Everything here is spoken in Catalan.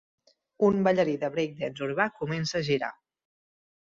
Un ballarí de break dance urbà comença a girar.